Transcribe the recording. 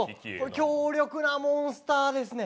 強力なモンスターですね